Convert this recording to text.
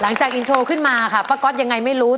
อินโทรขึ้นมาค่ะป้าก๊อตยังไงไม่รู้